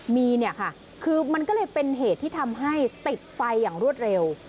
มีเนี่ยค่ะคือมันก็เลยเป็นเหตุที่ทำให้ติดไฟอย่างรวดเร็ว